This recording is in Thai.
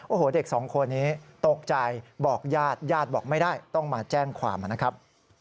โอ้โหเด็กสองคนนี้ตกใจบอกญาติญาติบอกไม่ได้ต้องมาแจ้งความนะครับ